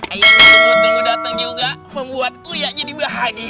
ayang kiki datang juga membuatku ya jadi bahagia